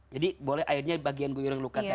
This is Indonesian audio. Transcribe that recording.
jadi boleh airnya bagian guyur luka